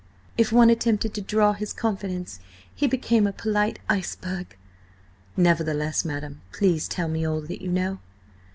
If one attempted to draw his confidence, he became a polite iceberg." "Nevertheless, madam, please tell me all that you know."